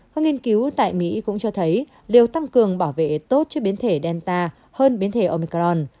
các nghiên cứu tại mỹ cũng cho thấy liều tăng cường bảo vệ tốt cho biến thể delta hơn biến thể omicron